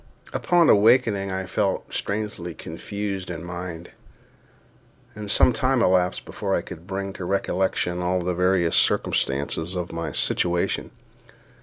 Upon awakening I felt strangely confused in mind, and some time elapsed before I could bring to recollection all the various circumstances of my situation.